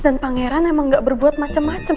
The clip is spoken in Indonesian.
dan pangeran emang gak berbuat macam macam